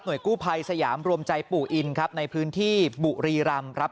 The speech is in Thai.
กู้ภัยสยามรวมใจปู่อินครับในพื้นที่บุรีรำครับ